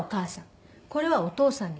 「これはお義母さんに。